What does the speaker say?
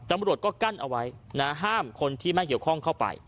ตำรวจก็กั้นเอาไว้นะห้ามคนที่ไม่เกี่ยวข้องเข้าไป